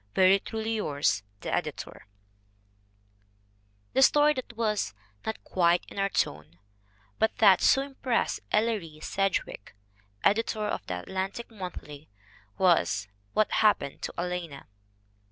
"Very truly yours, "THE EDITOR." KATHLEEN NORRIS 75 The story that was "not quite in our tone" but that so impressed Ellery Sedgwick, editor of the Atlantic Monthly, was What Happened to Alanna.